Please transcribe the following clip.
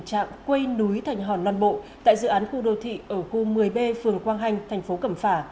trạng quây núi thành hòn loan bộ tại dự án khu đô thị ở khu một mươi b phường quang hanh thành phố cẩm phả